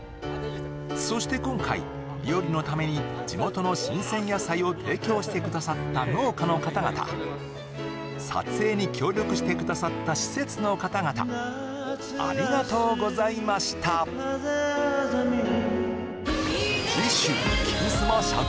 そして今回料理のために地元の新鮮野菜を提供してくださった農家の方々撮影に協力してくださった施設の方々ありがとうございました「金スマ」だがきたな